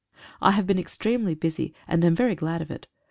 3 HAVE been extremely busy, and am very glad of it.